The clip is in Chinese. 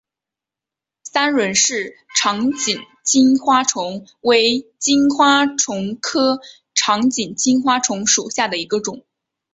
三轮氏长颈金花虫为金花虫科长颈金花虫属下的一个种。